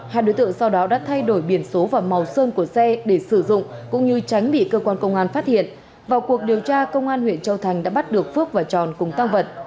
hai đối tượng sau đó đã thay đổi biển số và màu sơn của xe để sử dụng cũng như tránh bị cơ quan công an phát hiện vào cuộc điều tra công an huyện châu thành đã bắt được phước và tròn cùng tăng vật